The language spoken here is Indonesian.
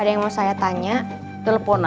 jiduh hpnya sibuk